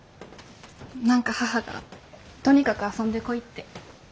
何か母がとにかく遊んでこいって。